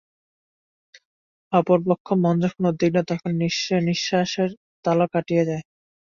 অপরপক্ষে মন যখন উদ্বিগ্ন, তখন নিঃশ্বাসের তালও কাটিয়া যায়।